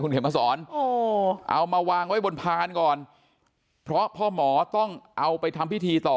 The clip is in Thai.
เห็นมาสอนเอามาวางไว้บนพานก่อนเพราะพ่อหมอต้องเอาไปทำพิธีต่อ